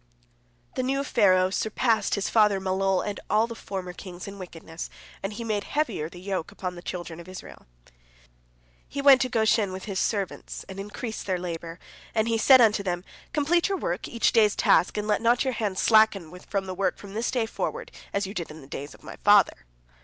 The new Pharaoh surpassed his father Malol and all the former kings in wickedness, and he made heavier the yoke upon the children of Israel. He went to Goshen with his servants, and increased their labor, and he said unto them, "Complete your work, each day's task, and let not your hands slacken from the work from this day forward, as you did in the day of my father."